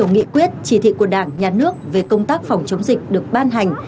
nghị quyết chỉ thị của đảng nhà nước về công tác phòng chống dịch được ban hành